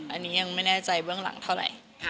อันนี้ยังไม่แน่ใจเบื้องหลังเท่าไหร่